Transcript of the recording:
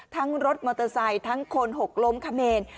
รถมอเตอร์ไซค์ทั้งคนหกล้มขเมน